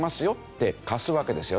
て貸すわけですよね。